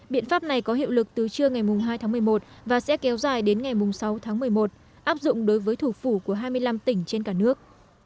biện pháp này có hiệu lực từ trưa ngày hai tháng một mươi một và sẽ kéo dài đến ngày sáu tháng một mươi một áp dụng đối với thủ phủ của hai mươi năm tỉnh trên cả nước